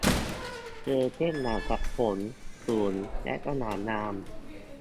เธอเต้นอย่างกับหงส์ สูงและสง่างาม